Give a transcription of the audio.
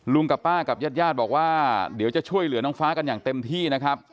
กับป้ากับญาติญาติบอกว่าเดี๋ยวจะช่วยเหลือน้องฟ้ากันอย่างเต็มที่นะครับ